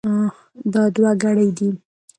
دا دوه ګړۍ دي.